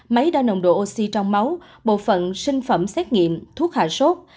máy đo nồng độ oxy trong máu bộ phận sinh phẩm xét nghiệm thuốc hạ sốt